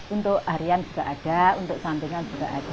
untuk harian juga ada untuk sampingan juga ada